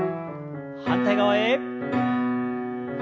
反対側へ。